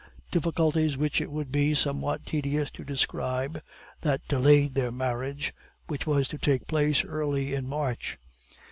Difficulties which it would be somewhat tedious to describe had delayed their marriage, which was to take place early in March.